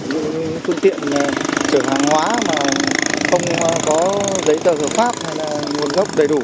những phương tiện trở hàng hóa mà không có giấy tờ thừa pháp hay là nguồn gốc đầy đủ